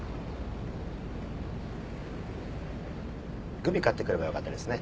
グミ買ってくればよかったですね。